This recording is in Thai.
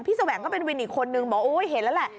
แสวงก็เป็นวินอีกคนนึงบอกโอ๊ยเห็นแล้วแหละ